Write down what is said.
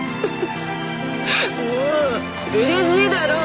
もううれしいだろう？